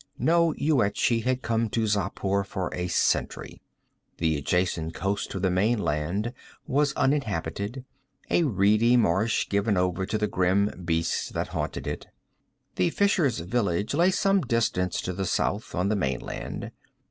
No Yuetshi had come to Xapur for a century. The adjacent coast of the mainland was uninhabited, a reedy marsh given over to the grim beasts that haunted it. The fisher's village lay some distance to the south, on the mainland.